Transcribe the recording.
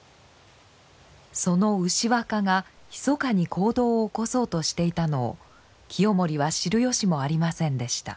その牛若がひそかに行動を起こそうとしていたのを清盛は知る由もありませんでした。